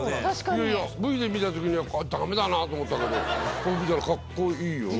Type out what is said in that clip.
いやいやＶＴＲで見たときには駄目だなと思ったけどこれ見たら格好いいよな。